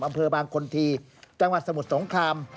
อำแพงคลบบในจังหวัดสมุทรสงคราม